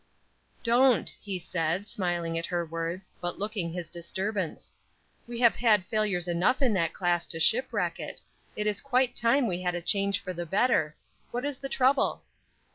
"Don't," he said, smiling at her words, but looking his disturbance; "we have had failures enough in that class to shipwreck it; it is quite time we had a change for the better. What is the trouble?"